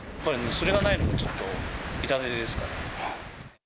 それがないのでちょっと痛手ですかね。